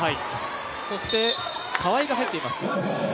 そして川井が入っています。